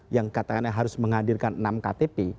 yang katanya harus menghadirkan enam ktp